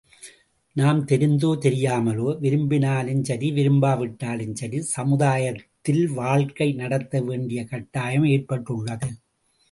நாம் தெரிந்தோ, தெரியாமலோ விரும்பினாலும் சரி, விரும்பாவிட்டாலும் சரி சமுதாயத்தில் வாழ்க்கை நடத்த வேண்டிய கட்டாயம் ஏற்பட்டுள்ளது.